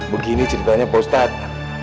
begini ceritanya pak ustadz